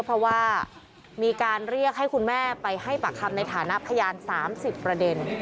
เพราะว่ามีการเรียกให้คุณแม่ไปให้ปากคำในฐานะพยาน๓๐ประเด็น